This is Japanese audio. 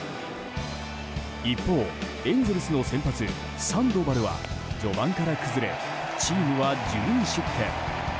一方、エンゼルスの先発サンドバルは序盤から崩れチームは１２失点。